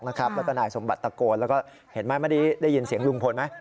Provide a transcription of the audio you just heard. แล้วก็นายสมบัติตะโกนแล้วก็เห็นไหมไม่ได้ยินเสียงลุงพลไหม